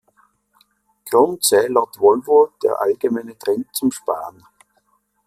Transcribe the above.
Grund sei laut Volvo der allgemeine Trend zum Sparen.